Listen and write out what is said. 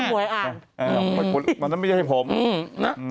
วันนั้นไม่ดีที่ให้ผมอืมนะ